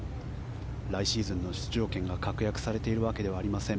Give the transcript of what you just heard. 来シーズンの出場権が確約されているわけではありません。